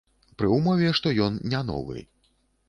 Пры ўмове, што ён не новы.